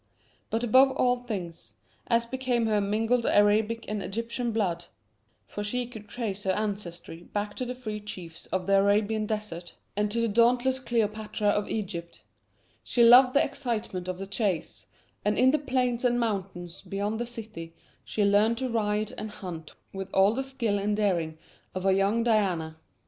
But above all things, as became her mingled Arabic and Egyptian blood for she could trace her ancestry back to the free chiefs of the Arabian desert, and to the dauntless Cleopatra of Egypt, she loved the excitement of the chase, and in the plains and mountains beyond the city she learned to ride and hunt with all the skill and daring of a young Diana.